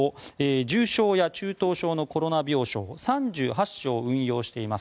重症や中等症のコロナ病床３８床を運用しています